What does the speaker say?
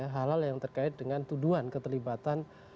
hal hal yang terkait dengan tuduhan keterlibatan